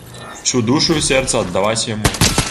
Усю душу і сэрца аддаваць яму.